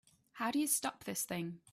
How do you stop this thing?